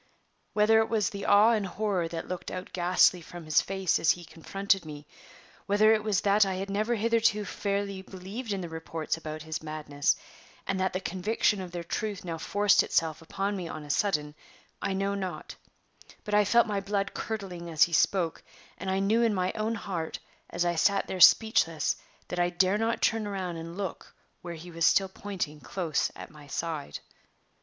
Whether it was the awe and horror that looked out ghastly from his face as he confronted me, whether it was that I had never hitherto fairly believed in the reports about his madness, and that the conviction of their truth now forced itself upon me on a sudden, I know not, but I felt my blood curdling as he spoke, and I knew in my own heart, as I sat there speechless, that I dare not turn round and look where he was still pointing close at my side.